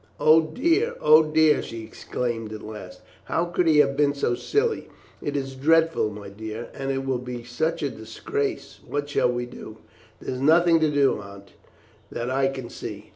"Oh, dear! oh, dear!" she exclaimed at last. "How could he have been so silly? It is dreadful, my dear, and it will be such a disgrace. What shall we do?" "There is nothing to do, Aunt, that I can see.